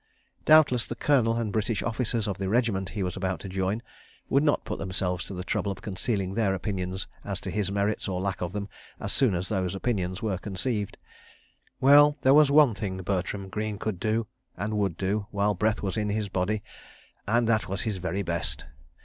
... Doubtless the Colonel and British officers of the regiment he was about to join would not put themselves to the trouble of concealing their opinions as to his merits, or lack of them, as soon as those opinions were conceived. ... Well, there was one thing Bertram Greene could do, and would do, while breath was in his body—and that was his very best.